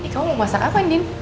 kau mau masak apa indin